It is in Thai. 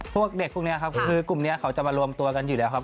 พวกเด็กพวกนี้ครับคือกลุ่มนี้เขาจะมารวมตัวกันอยู่แล้วครับ